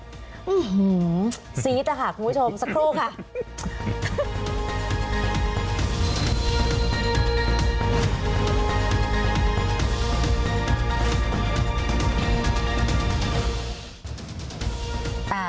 อื้อหือซี๊ดอะค่ะคุณผู้ชมสักครู่ค่ะ